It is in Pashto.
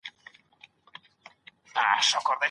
پخوا به نجوني په شخړو کې ورکول کيدې.